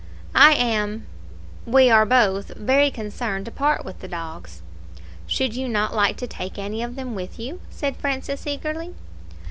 I am we are both very concerned to part with the dogs." "Should you not like to take any of them with you?" said Francis, eagerly.